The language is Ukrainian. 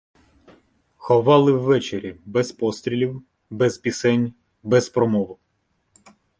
Ховали ввечері без пострілів, без пісень, без промов.